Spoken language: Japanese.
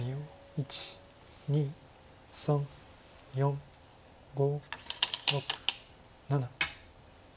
１２３４５６７。